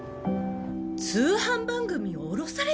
通販番組を降ろされた？